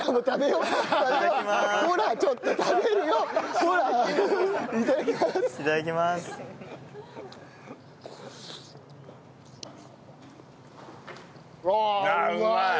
うまい！